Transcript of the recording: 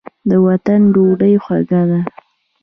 د وطن ډوډۍ خوږه ده.